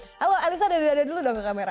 halo alyssa dada dada dulu dong ke kamera